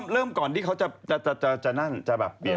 เริ่มก่อนที่เขาจะนั่งจะแบบเปลี่ยน